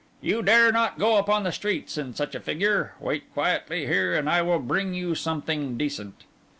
You dare not go upon the streets in such a figure. Wait quietly here and I will bring you something decent.